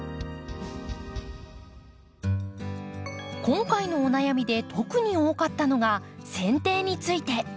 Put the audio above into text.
今回のお悩みで特に多かったのがせん定について。